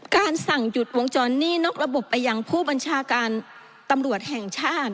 การสั่งหยุดวงจรหนี้นอกระบบไปยังผู้บัญชาการตำรวจแห่งชาติ